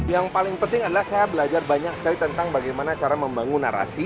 yang paling penting adalah saya belajar banyak sekali tentang bagaimana cara membangun narasi